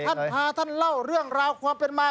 พาท่านเล่าเรื่องราวความเป็นมา